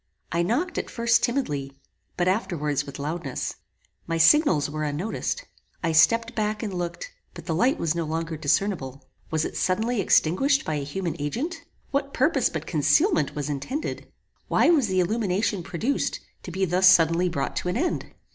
I knocked at first timidly, but afterwards with loudness. My signals were unnoticed. I stepped back and looked, but the light was no longer discernible. Was it suddenly extinguished by a human agent? What purpose but concealment was intended? Why was the illumination produced, to be thus suddenly brought to an end?